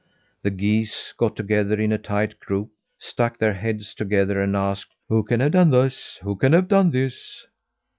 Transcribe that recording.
The geese got together in a tight group, stuck their heads together and asked: "Who can have done this? Who can have done this?"